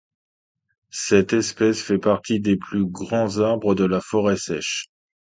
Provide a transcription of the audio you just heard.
Cette espèce fait partie des plus grands arbres de la forêt sèche.